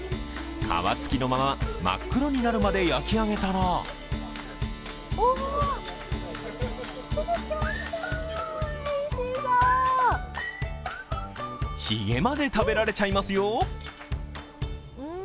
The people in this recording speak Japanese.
皮付きのまま、真っ黒になるまで焼き上げたらひげまで食べられちゃいますよ。